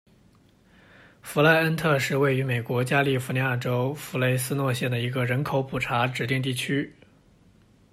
弗赖恩特是位于美国加利福尼亚州弗雷斯诺县的一个人口普查指定地区。